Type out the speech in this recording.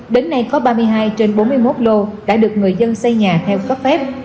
đến nay có ba mươi hai trên bốn mươi một lô đã được người dân xây nhà theo cấp phép